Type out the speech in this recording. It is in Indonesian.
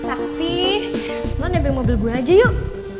sakti lo nebeng mobil gue aja yuk